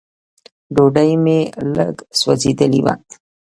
ډوډۍ مې لږ سوځېدلې وه.